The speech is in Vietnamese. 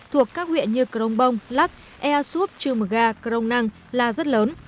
thuộc các huyện như crong bông lắc ea suốt trư mờ ga crong năng là rất lớn